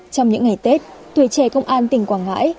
trong những ngày tết tuổi trẻ công an tỉnh quảng ngãi